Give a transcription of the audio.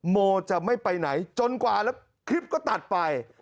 โมจะไม่ไปไหนจนกว่าแล้วคลิปก็ตัดไป